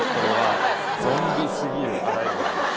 ゾンビすぎるアライグマ。